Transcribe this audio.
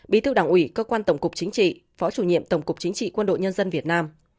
bí thư đảng ủy cơ quan tổng cục chính trị phó chủ nhiệm tổng cục chính trị quân đội nhân dân việt nam